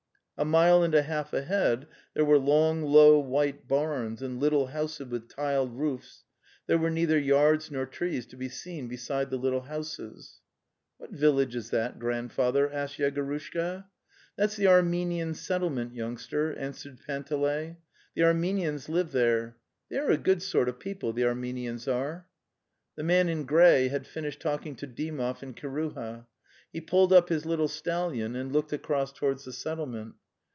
A mile and a half ahead there were long low white barns and little houses with tiled roofs; there were neither yards nor trees to be seen beside the little houses. "What village is that, Grandfather?" asked Yegorushka. '"That's the Armenian Settlement, youngster," answered Panteley. '' The Armenians live there. They are a)\\good /sort jof \people;)).\\the)) Anme nians are." The man in grey had finished talking to Dymov and Kiruha; he pulled up his little stallion and looked across towards the settlement.